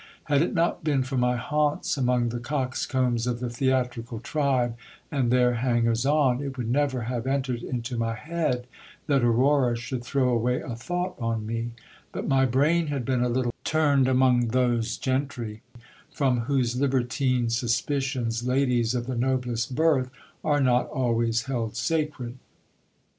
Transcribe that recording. Had it not been for my haunts among the coxcombs of the theatrical tribe and their hangers on, it would never have entered into my head that Aurora should throw away a thought on me : but my brain had been a little turned among those gentry, from whose libertine sus picions ladies of the noblest birth are not always held sacred.